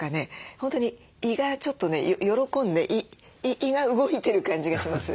本当に胃がちょっとね喜んで胃が動いてる感じがします。